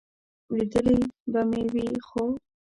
لیدلی به مې وي، خو ...